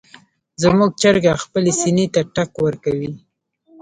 زموږ چرګه خپلې سینې ته ټک ورکوي.